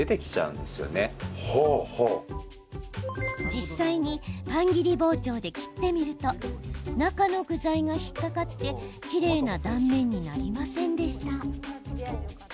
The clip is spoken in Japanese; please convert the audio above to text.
実際にパン切り包丁で切ってみると中の具材が引っ掛かってきれいな断面になりませんでした。